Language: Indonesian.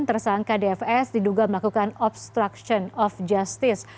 tersangka dfs diduga melakukan obstruction of justice